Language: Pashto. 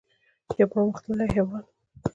یو پرمختللی هیواد.